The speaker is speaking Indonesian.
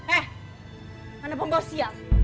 eh anak pembawa siap